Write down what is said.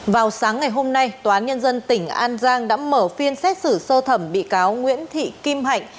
vào sáng ngày hôm nay tòa án nhân dân tỉnh an giang đã mở phiên xét xử sơ thẩm bị cáo nguyễn thị kim hạnh